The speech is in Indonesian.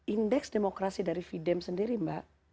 indeks demokrasi dari videm sendiri mbak